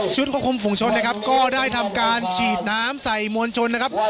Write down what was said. ควบคุมฝุงชนนะครับก็ได้ทำการฉีดน้ำใส่มวลชนนะครับ